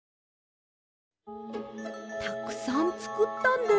たくさんつくったんです。